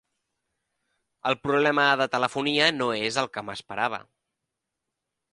El problema de telefonia no és el que m'esperava.